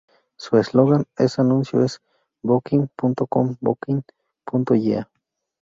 Su eslogan en anuncios es "Booking.com: Booking.yeah".